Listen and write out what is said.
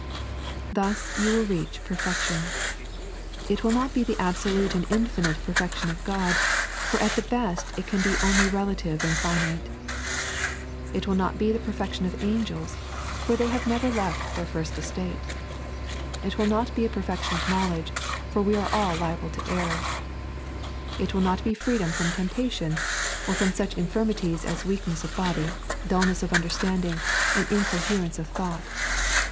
Thus you will reach perfection. It will not be the abso lute and infinite perfection of God, for at the best it can be only relative and finite. It will not be the perfection 3.n.iized by Google The Power of the Will. 99 of angela, for they have never left their first estate. It will not be a perfection of knowledge, for we are all liable to error. It will not be freedom from temptation, or from such infirmities as weakness of body, dulness of understanding, and incoherence of thought.